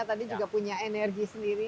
tadi juga punya energi sendiri